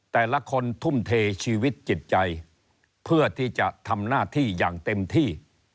แต่ละคนทุ่มเทชีวิตจิตใจเพื่อที่จะทำหน้าที่อย่างเต็มที่